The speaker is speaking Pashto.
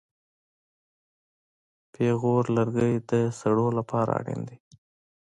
پېغور لرګی د سړو لپاره اړین دی.